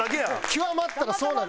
極まったらそうなる。